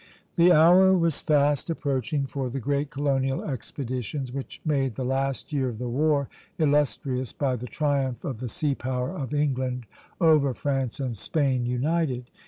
The hour was fast approaching for the great colonial expeditions, which made the last year of the war illustrious by the triumph of the sea power of England over France and Spain united.